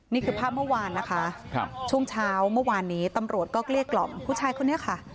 นี่คือภาพเมื่อวานนะคะช่วงเช้าเมื่อวานนี้ตำรวจก็เกลี้ยกล่อมผู้ชายคนนี้ค่ะ